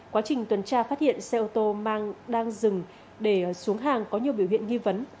quá trình tuần tra phát hiện xe ô tô đang dừng để xuống hàng có nhiều biểu hiện nghi vấn